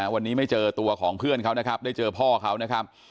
วันนี้ไม่เจอตัวของเพื่อนเขานะครับได้เจอพ่อเขานะครับ